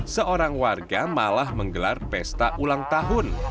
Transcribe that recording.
seorang warga malah menggelar pesta ulang tahun